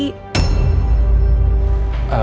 tidak itu tasnya